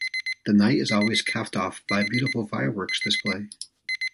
The night is always capped off by a beautiful fireworks display.